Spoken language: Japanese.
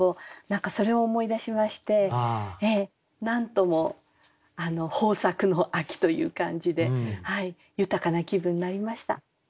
何かそれを思い出しましてなんとも豊作の秋という感じで豊かな気分になりました。